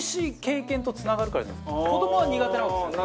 子どもは苦手なんですよね。